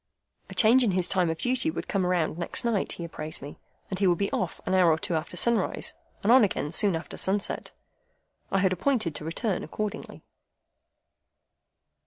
A change in his time of duty would come round next night, he had apprised me, and he would be off an hour or two after sunrise, and on again soon after sunset. I had appointed to return accordingly.